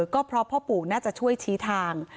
ก็เพราะพ่อปู่น่าจะช่วยชี้ทาง